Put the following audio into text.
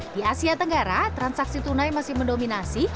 di asia tenggara transaksi tunai masih mendominasi